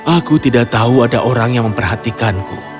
aku tidak tahu ada orang yang memperhatikanku